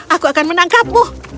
aku akan menangkapmu